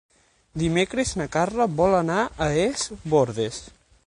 Dimecres na Carla vol anar a Es Bòrdes.